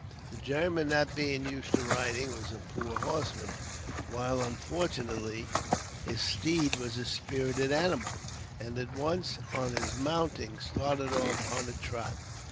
The German, not being used to riding, was a poor horseman, while unfortunately, his steed was a spirited animal, and at once, on his mounting, started off on a trot.